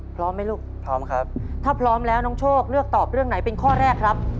พร้อมไหมลูกพร้อมครับถ้าพร้อมแล้วน้องโชคเลือกตอบเรื่องไหนเป็นข้อแรกครับ